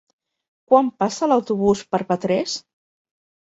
Quan passa l'autobús per Petrés?